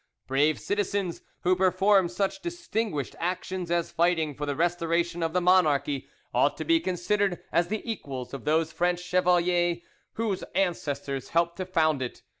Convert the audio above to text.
Brave citizens, who perform such distinguished actions as fighting for the restoration of the monarchy, ought to be considered as the equals of those French chevaliers whose ancestors helped to found it.